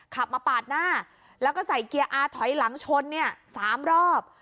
ขับมาปาดหน้าแล้วก็ใส่เกียร์อาถอยหลังชนเนี่ย๓รอบ